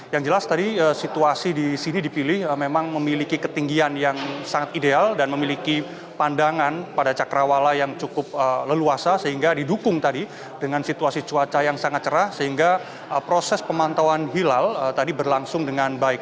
yang jelas tadi situasi di sini dipilih memang memiliki ketinggian yang sangat ideal dan memiliki pandangan pada cakrawala yang cukup leluasa sehingga didukung tadi dengan situasi cuaca yang sangat cerah sehingga proses pemantauan hilal tadi berlangsung dengan baik